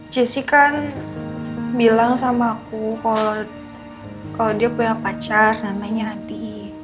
jessi kan bilang sama aku kalau dia punya pacar namanya adi